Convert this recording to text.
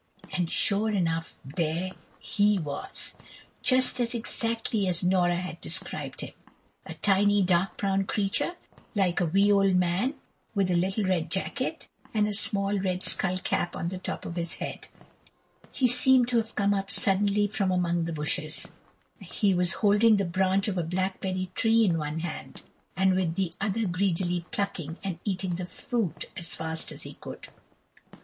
And sure enough there "he" was, and just exactly as Nora had described him. A tiny dark brown creature, like a wee old man, with a little red jacket, and a small red skull cap on the top of his head. He seemed to have come up suddenly from among the bushes; he was holding the branch of a blackberry tree in one hand, and with the other greedily plucking and eating the fruit as fast as he could.